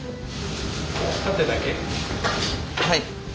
はい。